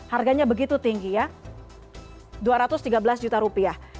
harganya begitu tinggi ya rp dua ratus tiga belas